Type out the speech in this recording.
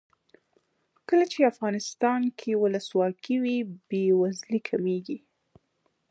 کله چې افغانستان کې ولسواکي وي بې وزلي کمیږي.